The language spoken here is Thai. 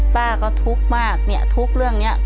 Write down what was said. ป้าก็ทุกข์มากเนี่ยทุกข์เรื่องนี้